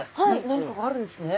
何かがあるんですね。